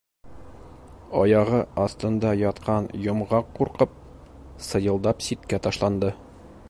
Аяғы аҫтында ятҡан Йомғаҡ ҡурҡып, сыйылдап ситкә ташланды.